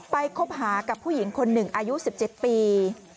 คบหากับผู้หญิงคนหนึ่งอายุ๑๗ปี